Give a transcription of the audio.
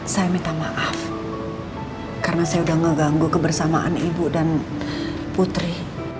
saya minta maaf karena saya sudah ngeganggu kebersamaan ibu dan putri